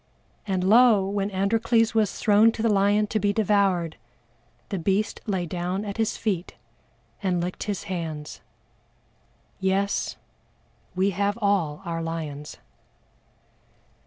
"And lo! when ANDROCLES was thrown to the lion to be devoured, the beast lay down at his feet, and licked his hands." Yes, we have all our lions!